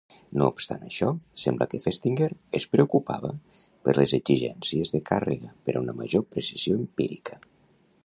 No obstant això, sembla que Festinger es preocupava per les exigències de càrrega per a una major precisió empírica.